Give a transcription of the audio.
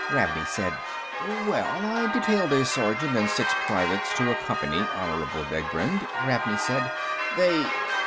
Ravney said: "Well, I detailed a sergeant and six privates to accompany Honorable Degbrend," Ravney said. "They....